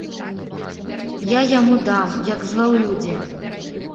Я яму дам, як злаўлю дзе.